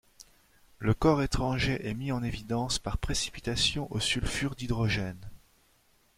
Le corps étranger est mis en évidence par précipitation au sulfure d'hydrogène.